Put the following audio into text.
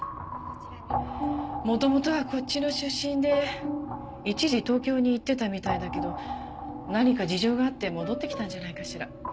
元々はこっちの出身で一時東京に行ってたみたいだけど何か事情があって戻ってきたんじゃないかしら。